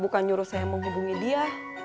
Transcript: bukan nyuruh saya mau hubungi dia